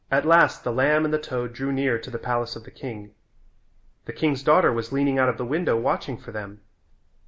At last the lamb and the toad drew near to the palace of the king. The king's daughter was leaning out of the window watching for them.